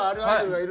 はい！